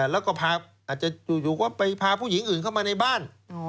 แล้วก็อาจจะไปพาผู้หญิงอื่นเข้ามาในบ้าน